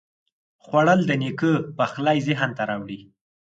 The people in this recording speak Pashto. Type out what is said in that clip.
خوړل د نیکه پخلی ذهن ته راوړي